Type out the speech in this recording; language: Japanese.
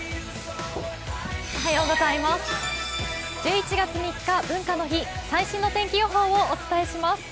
１１月３日、文化の日、最新の天気予報をお伝えします。